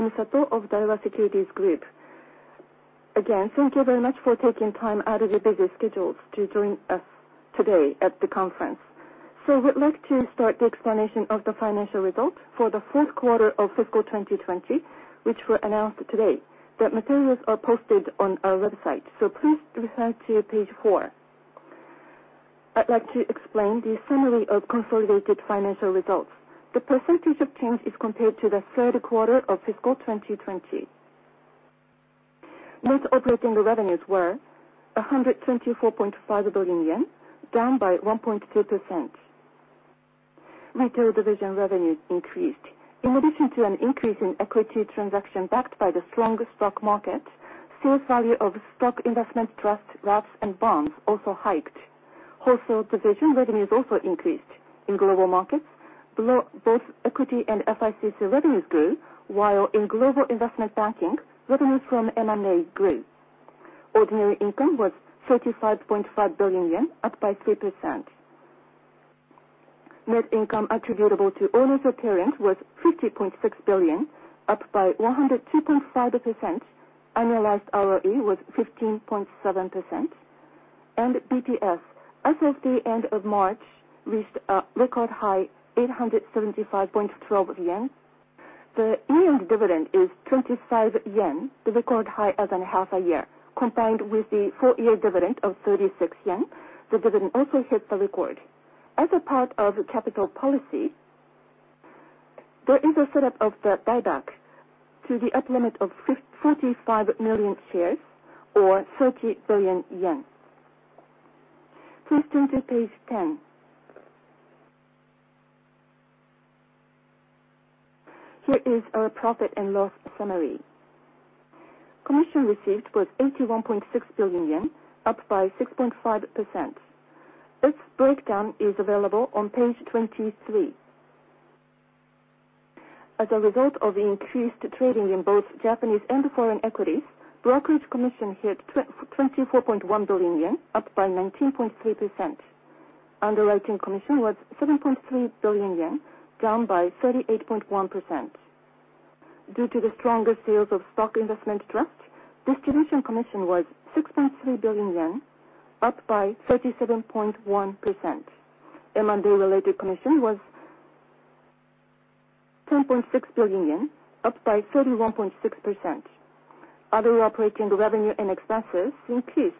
I am Sato of Daiwa Securities Group. Again, thank you very much for taking time out of your busy schedules to join us today at the conference. We'd like to start the explanation of the financial results for the fourth quarter of FY 2020, which were announced today. The materials are posted on our website, so please refer to page four. I'd like to explain the summary of consolidated financial results. The percentage of change is compared to the third quarter of FY 2020. Net operating revenues were 124.5 billion yen, down by 1.2%. Retail division revenues increased. In addition to an increase in equity transaction backed by the stronger stock market, sales value of stock investment trusts, wraps, and bonds also hiked. Wholesale division revenues also increased. In global markets, both equity and FICC revenues grew, while in global investment banking, revenues from M&A grew. Ordinary income was 35.5 billion yen, up by 3%. Net income attributable to owners of parent was 50.6 billion, up by 102.5%. Annualized ROE was 15.7%, and BPS as of the end of March, reached a record high 875.12 yen. The year-end dividend is 25 yen, a record high as an half a year. Combined with the full-year dividend of 36 yen, the dividend also hits a record. As a part of capital policy, there is a set up of the buyback to the up limit of 45 million shares or 30 billion yen. Please turn to page 10. Here is our profit and loss summary. Commission received was 81.6 billion yen, up by 6.5%. Its breakdown is available on page 23. As a result of increased trading in both Japanese and foreign equities, brokerage commission hit 24.1 billion yen, up by 19.3%. Underwriting commission was 7.3 billion yen, down by 38.1%. Due to the stronger sales of stock investment trusts, distribution commission was 6.3 billion yen, up by 37.1%. M&A-related commission was JPY 10.6 billion, up by 31.6%. Other operating revenue and expenses increased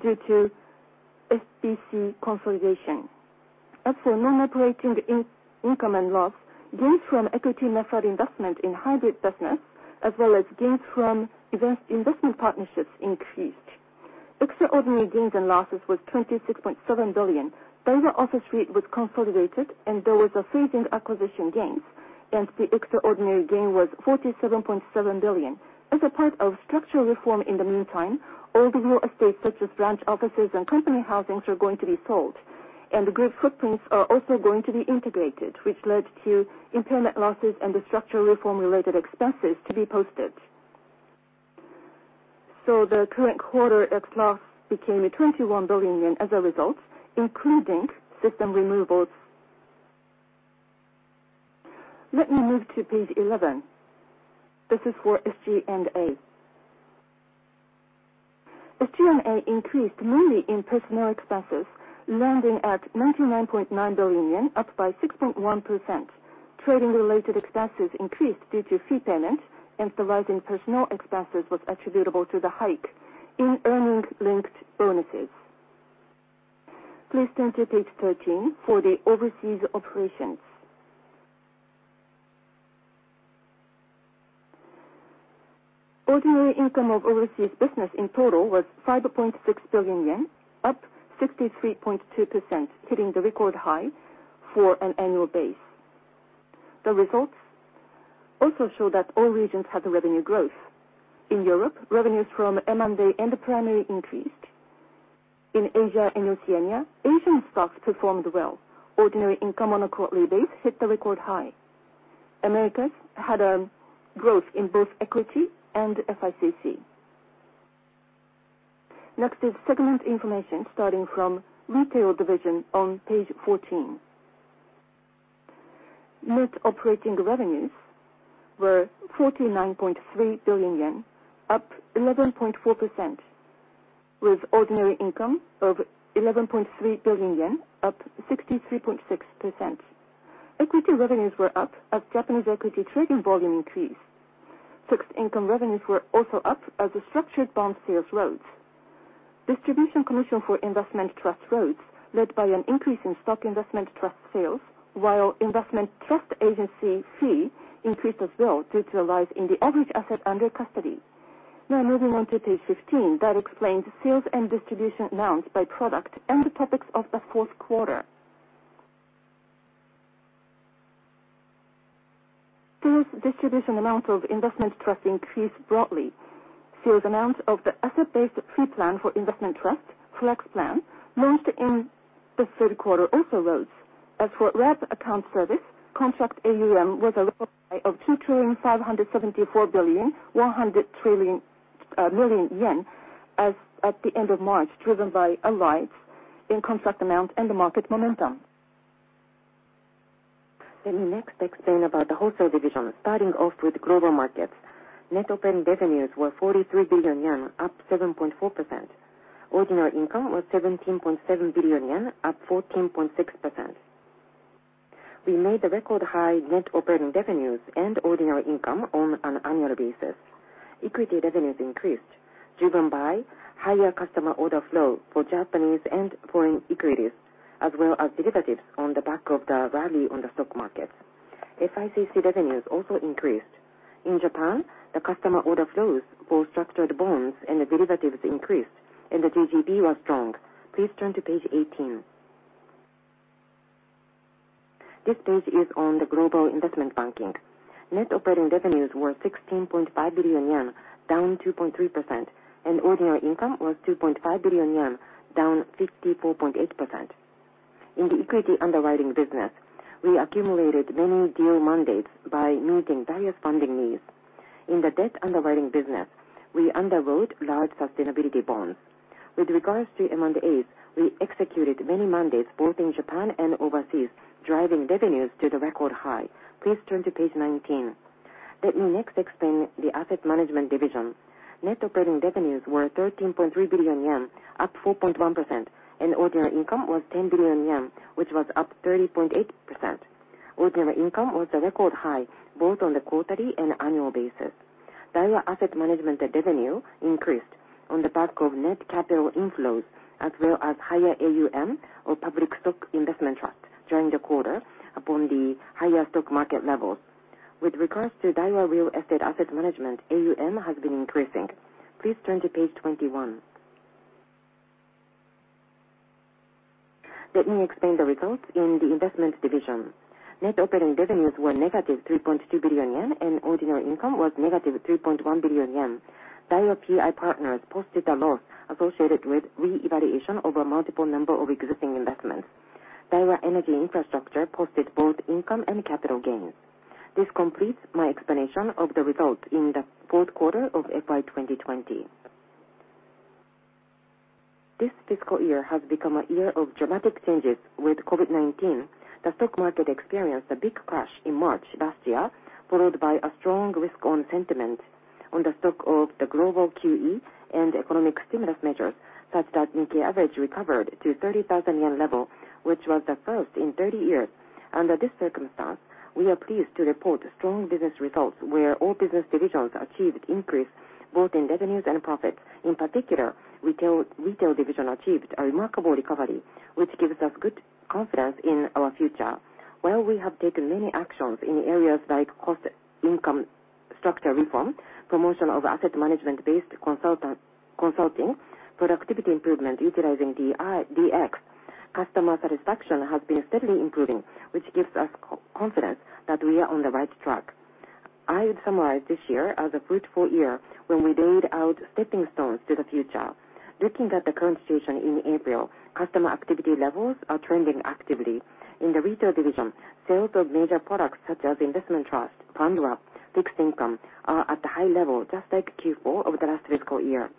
due to SPC consolidation. As for non-operating income and loss, gains from equity method investment in hybrid business as well as gains from investment partnerships increased. Extraordinary gains and losses was 26.7 billion. Daiwa Office Investment Corporation was consolidated and there was a phased in acquisition gains, hence the extraordinary gain was 47.7 billion. As a part of structural reform in the meantime, all the real estate such as branch offices and company housings are going to be sold, and the group footprints are also going to be integrated, which led to impairment losses and the structural reform related expenses to be posted. The current quarter EPS loss became 21 billion yen as a result, including system removals. Let me move to page 11. This is for SG&A. SG&A increased mainly in personnel expenses, landing at 99.9 billion yen, up by 6.1%. Trading-related expenses increased due to fee payment, and the rise in personnel expenses was attributable to the hike in earning linked bonuses. Please turn to page 13 for the overseas operations. Ordinary income of overseas business in total was 5.6 billion yen, up 63.2%, hitting the record high for an annual base. The results also show that all regions had a revenue growth. In Europe, revenues from M&A and the primary increased. In Asia and Oceania, Asian stocks performed well. Ordinary income on a quarterly base hit a record high. Americas had a growth in both equity and FICC. Next is segment information starting from retail division on page 14. Net operating revenues were 49.3 billion yen, up 11.4%, with ordinary income of 11.3 billion yen, up 63.6%. Equity revenues were up as Japanese equity trading volume increased. Fixed income revenues were also up as structured bond sales rose. Distribution commission for investment trust rose, led by an increase in stock investment trust sales, while investment trust agency fee increased as well due to the rise in the average asset under custody. Moving on to page 15, that explains sales and distribution amounts by product and the topics of the fourth quarter. Sales distribution amount of investment trust increased broadly. Sales amount of the asset-based free-plan for investment trust, Flex Plan, launched in the third quarter, also rose. As for wrap account service, contract AUM was a record high of 2,574,100 million yen as at the end of March, driven by a rise in contract amount and the market momentum. Let me next explain about the wholesale division. Starting off with global markets. Net operating revenues were 43 billion yen, up 7.4%. Ordinary income was 17.7 billion yen, up 14.6%. We made the record high net operating revenues and ordinary income on an annual basis. Equity revenues increased, driven by higher customer order flow for Japanese and foreign equities, as well as derivatives on the back of the rally on the stock markets. FICC revenues also increased. In Japan, the customer order flows for structured bonds and the derivatives increased, and the JGB was strong. Please turn to page 18. This page is on the global investment banking. Net operating revenues were 16.5 billion yen, down 2.3%, and ordinary income was 2.5 billion yen, down 54.8%. In the equity underwriting business, we accumulated many deal mandates by meeting various funding needs. In the debt underwriting business, we underwrote large sustainability bonds. With regards to M&As, we executed many mandates both in Japan and overseas, driving revenues to the record high. Please turn to page 19. Let me next explain the asset management division. Net operating revenues were 13.3 billion yen, up 4.1%, and ordinary income was 10 billion yen, which was up 30.8%. Ordinary income was a record high both on the quarterly and annual basis. Daiwa Asset Management revenue increased on the back of net capital inflows, as well as higher AUM or public stock investment trust during the quarter upon the higher stock market levels. With regards to Daiwa Real Estate, asset management AUM has been increasing. Please turn to page 21. Let me explain the results in the investment division. Net operating revenues were negative 3.2 billion yen, and ordinary income was negative 3.1 billion yen. Daiwa PI Partners posted a loss associated with reevaluation over multiple number of existing investments. Daiwa Energy Infrastructure posted both income and capital gains. This completes my explanation of the results in the fourth quarter of FY 2020. This fiscal year has become a year of dramatic changes with COVID-19. The stock market experienced a big crash in March last year, followed by a strong risk on sentiment on the stock of the Global QE and economic stimulus measures such that Nikkei average recovered to 30,000 yen level, which was the first in 30 years. Under this circumstance, we are pleased to report strong business results where all business divisions achieved increase both in revenues and profits. In particular, retail division achieved a remarkable recovery, which gives us good confidence in our future. While we have taken many actions in areas like cost income structure reform, promotion of asset management-based consulting, productivity improvement utilizing DX, customer satisfaction has been steadily improving, which gives us confidence that we are on the right track. I would summarize this year as a fruitful year when we laid out stepping stones to the future. Looking at the current situation in April, customer activity levels are trending actively. In the retail division, sales of major products such as investment trust, fund wrap, fixed income, are at the high level, just like Q4 of the last fiscal year.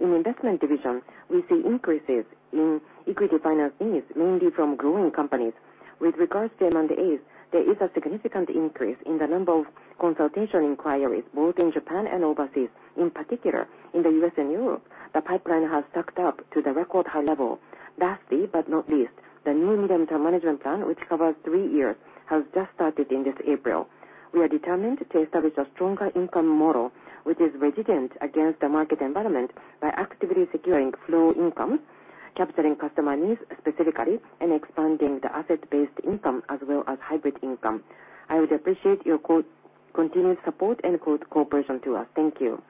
In investment division, we see increases in equity financings, mainly from growing companies. With regards to M&As, there is a significant increase in the number of consultation inquiries both in Japan and overseas, in particular in the U.S. and Europe. The pipeline has stocked up to the record high level. Lastly but not least, the new medium-term management plan, which covers three years, has just started in this April. We are determined to establish a stronger income model which is resilient against the market environment by actively securing flow income, capturing customer needs specifically, and expanding the asset-based income as well as hybrid income. I would appreciate your continued support and cooperation to us. Thank you.